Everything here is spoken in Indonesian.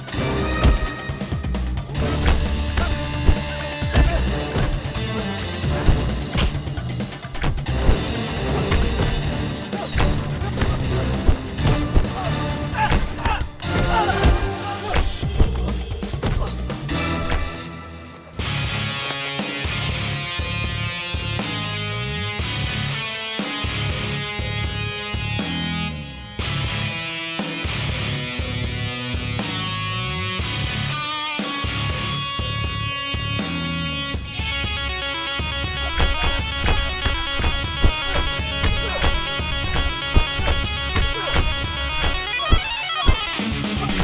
buas gak lepas lepas